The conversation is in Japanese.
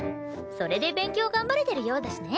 それで勉強頑張れてるようだしね。